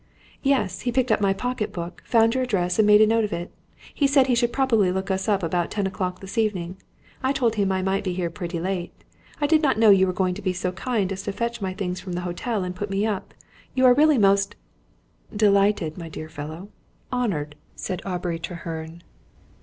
"Yes; he picked up my pocket book, found your address, and made a note of it. He said he should probably look us up at about ten o'clock this evening. I told him I might be here pretty late. I did not know you were going to be so kind as to fetch my things from the hotel and put me up. You really are most " "Delighted, my dear fellow. Honoured!" said Aubrey Treherne.